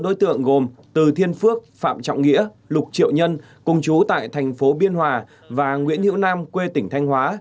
bốn đối tượng gồm từ thiên phước phạm trọng nghĩa lục triệu nhân cùng chú tại thành phố biên hòa và nguyễn hữu nam quê tỉnh thanh hóa